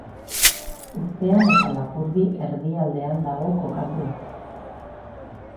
Urtean eta Lapurdi Erdialdean dago kokatua.